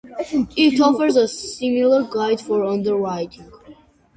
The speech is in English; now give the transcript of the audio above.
It offers a similar guide for underwriting.